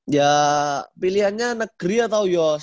ya pilihannya negeri atau yos